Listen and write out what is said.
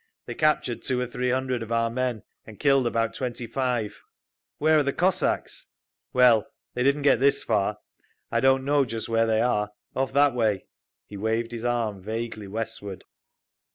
They captured two or three hundred of our men, and killed about twenty five." "Where are the Cossacks?" "Well, they didn't get this far. I don't know just where they are. Off that way…." He waved his arm vaguely westward.